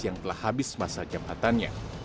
yang telah habis masa jamatannya